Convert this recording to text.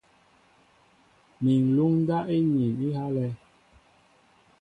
Mi ŋ̀luŋ ndáp íniin á ihálɛ̄.